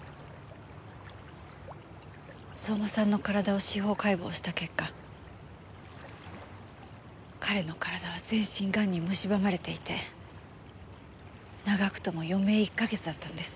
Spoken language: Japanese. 相馬さんの体を司法解剖した結果彼の体は全身がんにむしばまれていて長くとも余命１か月だったんです。